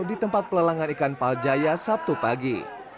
di tempat pelelangan ikan paljaya sabtu pagi